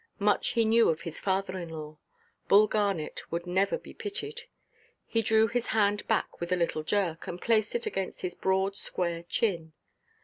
Much he knew of his father–in–law! Bull Garnet would never be pitied. He drew his hand back with a little jerk, and placed it against his broad, square chin.